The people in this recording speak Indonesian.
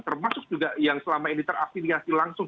termasuk juga yang selama ini terafiliasi langsung